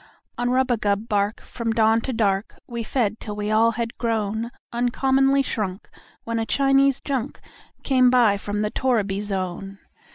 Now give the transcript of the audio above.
On rubagub bark, from dawn to dark, We fed, till we all had grown Uncommonly shrunk, when a Chinese junk Came by from the torriby zone.